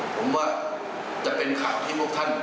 ผมว่าจะเป็นข่าวที่พวกท่าน